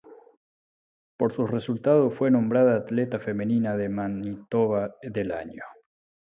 Por sus resultados fue nombrada Atleta Femenina de Manitoba del Año.